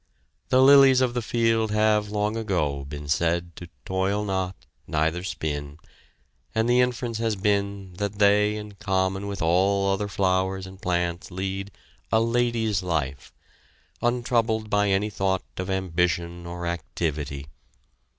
The lilies of the field have long ago been said to toil not, neither spin, and the inference has been that they in common with all other flowers and plants lead a "lady's life," untroubled by any thought of ambition or activity.